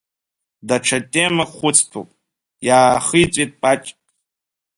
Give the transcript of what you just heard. Даҽа темак хәыцтәуп, иаахиҵәеит Паҷ.